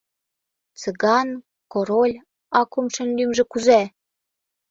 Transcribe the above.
«Цыган, Король, а кумшын лӱмжӧ кузе?